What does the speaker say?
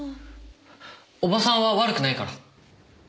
おばさんは悪くないから。